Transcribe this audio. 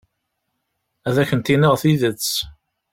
Ad akent-iniɣ tidet.